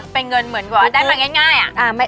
เป็นเงินเหมือนแบบว่าได้มาง่ายอะ